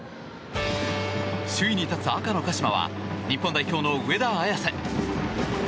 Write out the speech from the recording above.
首位に立つ赤の鹿島は日本代表の上田綺世。